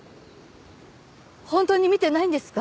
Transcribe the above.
本当に見てないんですか？